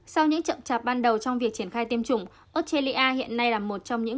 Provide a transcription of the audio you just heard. sau những chậm chạp ban đầu trong việc triển khai tiêm chủng australia hiện nay là một trong những